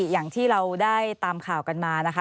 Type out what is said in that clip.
อย่างที่เราได้ตามข่าวกันมานะคะ